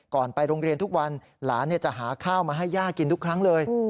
ไปโรงเรียนทุกวันหลานจะหาข้าวมาให้ย่ากินทุกครั้งเลย